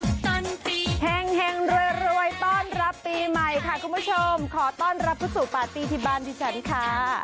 แห่งแห่งรวยต้อนรับปีใหม่ค่ะคุณผู้ชมขอต้อนรับเข้าสู่ปาร์ตี้ที่บ้านดิฉันค่ะ